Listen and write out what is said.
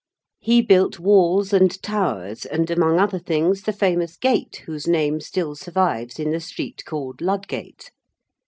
He built walls and towers, and, among other things, the famous gate whose name still survives in the street called Ludgate.